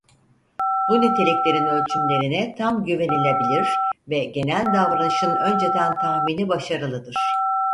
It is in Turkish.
Bu niteliklerin ölçümlerine tam güvenilebilir ve genel davranışın önceden tahmini başarılıdır.